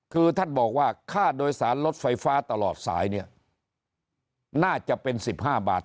คือท่านบอกว่าค่าโดยสารรถไฟฟ้าตลอดสายเนี่ยน่าจะเป็น๑๕บาท